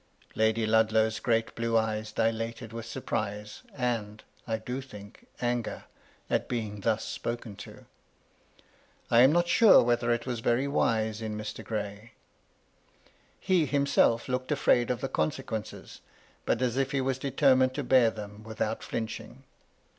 Lady Ludlow's great blue eyes dilated with surprise, and — I do think — anger, at being thus spoken to. I am not sure whether it was very wise in Mr. Gray. He himself looked afraid of the consequences, but as if he was determined to bear them without flinching.